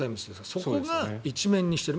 そこが１面にしている。